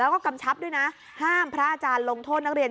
แล้วก็กำชับด้วยนะห้ามพระอาจารย์ลงโทษนักเรียน